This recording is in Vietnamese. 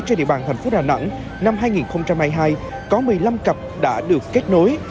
trên địa bàn thành phố đà nẵng năm hai nghìn hai mươi hai có một mươi năm cặp đã được kết nối